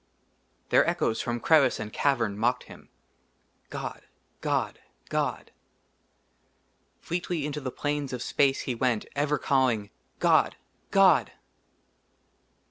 their echoes from crevice and cavern mocked him : "god! god! god!" fleetly into the plains of space he went, ever calling, "god! god!"